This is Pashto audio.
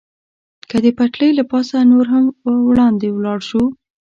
که د پټلۍ له پاسه نور هم وړاندې ولاړ شو.